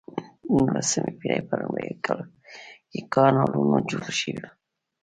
د نولسمې پیړۍ په لومړیو کې کانالونه جوړ شول.